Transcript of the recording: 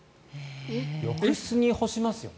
浴室に干しますよね。